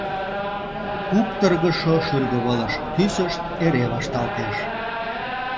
Куптыргышо шӱргывылыш тӱсышт эре вашталтеш.